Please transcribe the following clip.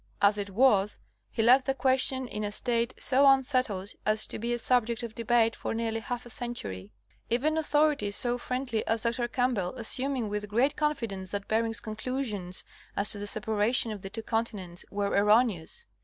As it was, he left the question in a state so unsettled as to be a subject of debate for nearly half a century ; even authorities so 164 National Geographic Magazine. friendly as Dr. Campbell assuming with great confidence that Bering's conclusions as to the separation of the two continents were erroneous.